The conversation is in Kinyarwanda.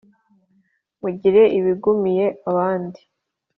mugira ibigumiye abandi